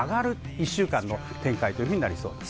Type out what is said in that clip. １週間の展開になりそうです。